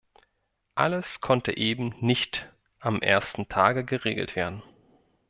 Alles konnte eben nicht am ersten Tage geregelt werden.